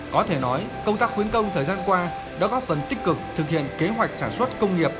có thể nói công tác khuyến công thời gian qua đã góp phần tích cực thực hiện kế hoạch sản xuất công nghiệp